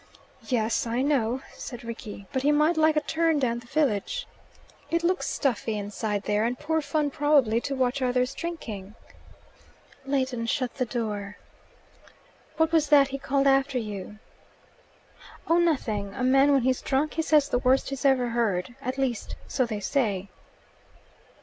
"Yes, I know," said Rickie. "But he might like a turn down the village. It looks stuffy inside there, and poor fun probably to watch others drinking." Leighton shut the door. "What was that he called after you?" "Oh, nothing. A man when he's drunk he says the worst he's ever heard. At least, so they say."